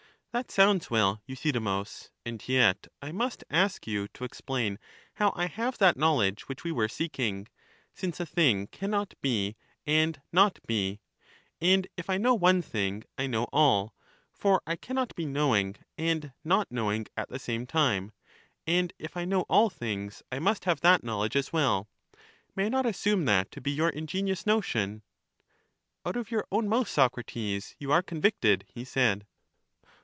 That sounds well, Euthydemus; and yet I must ask you to explain how I have that laiowledge which we were seeking ;— since a thing can not be and not be, and if I know one thing I know all, for I can not be knowing and not knowing at the same time, and if I know all things, I must have that knowledge as well. May I not assume that to be your ingenious notion? Out of your own mouth, Socrates, you are con victed, he said.